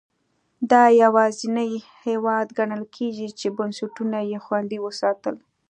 دا یوازینی هېواد ګڼل کېږي چې بنسټونه یې خوندي وساتل.